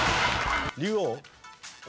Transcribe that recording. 「竜王」？